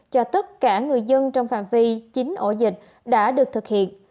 cho tất cả người dân trong phạm vi chín ổ dịch đã được thực hiện